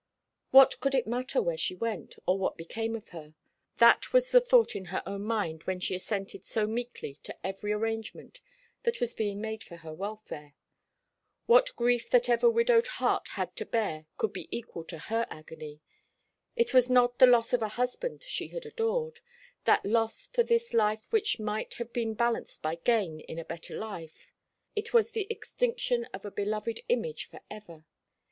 What could it matter where she went, or what became of her? That was the thought in her own mind when she assented so meekly to every arrangement that was being made for her welfare. What grief that ever widowed heart had to bear could be equal to her agony? It was not the loss of a husband she had adored that loss for this life which might have been balanced by gain in a better life. It was the extinction of a beloved image for ever.